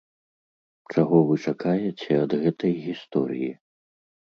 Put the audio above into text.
Чаго вы чакаеце ад гэтай гісторыі?